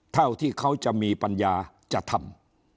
เท่าที่เขาจะมีปัญญาจะทำ